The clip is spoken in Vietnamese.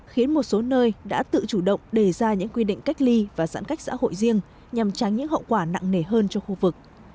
khiến một số nơi đã tự chủ động đề ra những quy định cách ly và giãn cách xã hội riêng nhằm tránh những hậu quả nặng nề hơn cho khu vực